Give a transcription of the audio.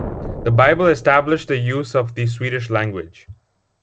The Bible established the use of the Swedish language.